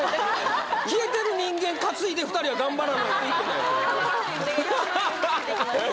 消えてる人間担いで２人は頑張らないといけないははははっ